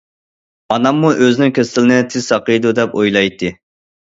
ئاناممۇ ئۆزىنىڭ كېسىلىنى تېز ساقىيىدۇ، دەپ ئويلايتتى.